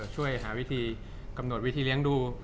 จากความไม่เข้าจันทร์ของผู้ใหญ่ของพ่อกับแม่